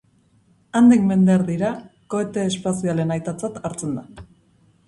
Handik mende erdira, kohete espazialen aitatzat hartzen da.